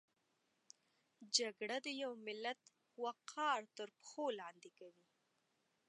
جګړه د یو ملت وقار تر پښو لاندې کوي